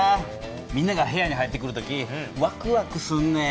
みんなが部屋に入ってくる時ワクワクするねん。